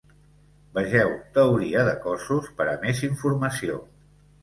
Vegeu teoria de cossos per a més informació.